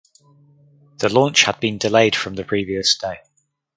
The launch had been delayed from the previous day.